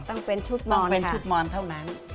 ต้องเป็นชุดมอนเท่านั้น